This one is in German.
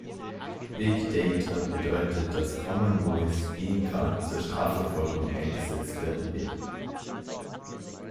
Big Data bedeutet, dass Common Voice irgendwann zur Strafverfolgung eingesetzt werden wird.